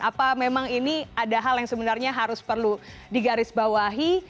apa memang ini ada hal yang sebenarnya harus perlu digarisbawahi